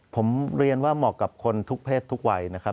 ผมเรียนว่าเหมาะกับคนทุกเพศทุกวัยนะครับ